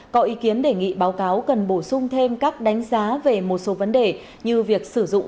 có ý kiến đề nghị báo cáo cần bổ sung thêm các đánh giá về một số vấn đề như việc sử dụng